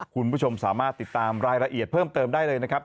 คุณผู้ชมสามารถติดตามรายละเอียดเพิ่มเติมได้เลยนะครับ